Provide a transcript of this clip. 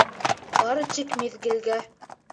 Бары тик миҙгелгә...